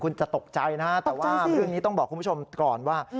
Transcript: คุณจะตกใจนะฮะแต่ว่าเรื่องนี้ต้องบอกคุณผู้ชมก่อนว่า